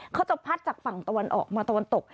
เขาจะพัดจากฝั่งตะวันออกมาตะวันตก